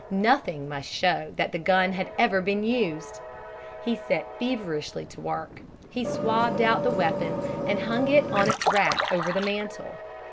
Nothing must show that the gun had ever been used! He set feverishly to work. He swabbed out the weapon, and hung it on its rack over the mantel.